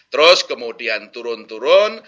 terus kemudian turun turun